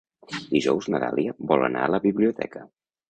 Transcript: Dijous na Dàlia vol anar a la biblioteca.